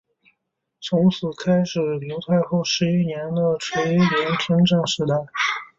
从此开始刘太后十一年的垂帘听政时代。